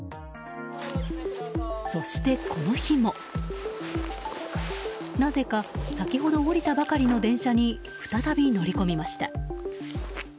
そして、この日もなぜか先ほど降りたばかりの電車に再び乗り込みました。